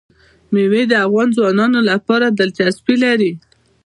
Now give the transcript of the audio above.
مېوې د افغان ځوانانو لپاره دلچسپي لري.